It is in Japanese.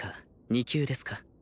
２級ですか？